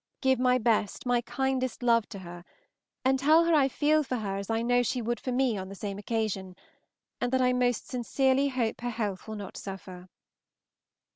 Give my best, my kindest love to her, and tell her I feel for her as I know she would for me on the same occasion, and that I most sincerely hope her health will not suffer."